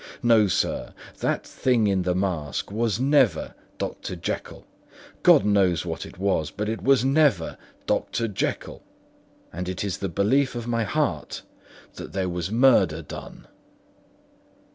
No, sir, that thing in the mask was never Dr. Jekyll—God knows what it was, but it was never Dr. Jekyll; and it is the belief of my heart that there was murder done."